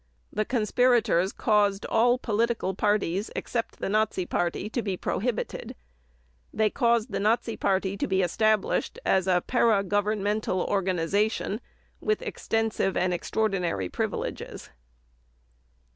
The conspirators caused all political parties except the Nazi Party to be prohibited. They caused the Nazi Party to be established as a paragovernmental organization with extensive and extraordinary privileges.